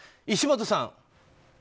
石本さん。